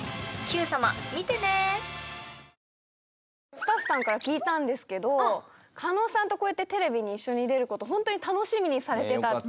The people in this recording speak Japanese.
スタッフさんから聞いたんですけど加納さんとこうやってテレビに一緒に出る事本当に楽しみにされてたって。